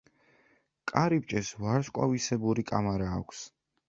კარიბჭეს ვარსკვლავისებური კამარა აქვს.